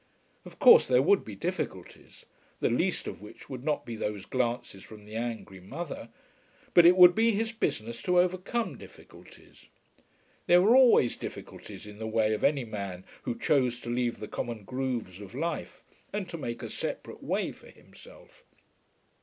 Of course there would be difficulties, the least of which would not be those glances from the angry mother; but it would be his business to overcome difficulties. There were always difficulties in the way of any man who chose to leave the common grooves of life and to make a separate way for himself.